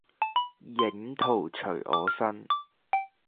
影徒隨我身。